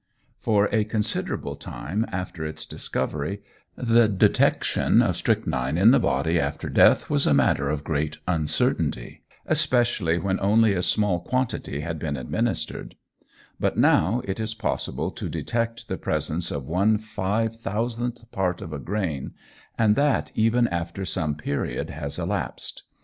For a considerable time after its discovery, the detection of strychnine in the body after death was a matter of great uncertainty, especially when only a small quantity had been administered; but now it is possible to detect the presence of one five thousandth part of a grain, and that even after some period has elapsed.